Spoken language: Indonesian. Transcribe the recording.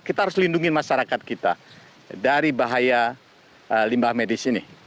kita harus lindungi masyarakat kita dari bahaya limbah medis ini